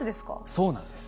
そうなんです。